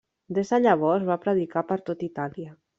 Des de llavors, va predicar per tot Itàlia.